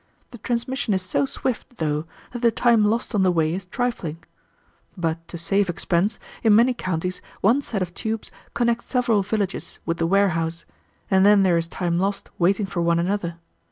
The transmission is so swift, though, that the time lost on the way is trifling. But, to save expense, in many counties one set of tubes connect several villages with the warehouse, and then there is time lost waiting for one another.